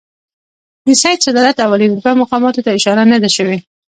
د سید صدارت او عالي رتبه مقاماتو ته اشاره نه ده شوې.